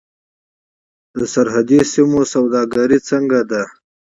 د سرحدي سیمو سوداګري څنګه ده؟